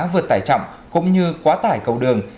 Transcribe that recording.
vượt tải chậm cũng như quá tải cầu đường